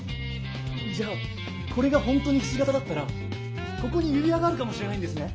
じゃあこれがほんとにひし形だったらここに指輪があるかもしれないんですね？